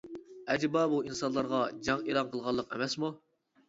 ئەجەبا بۇ ئىنسانلارغا جەڭ ئېلان قىلغانلىق ئەمەسمۇ؟ !